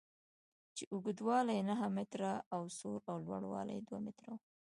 چې اوږدوالی یې نهه متره او سور او لوړوالی یې دوه متره و.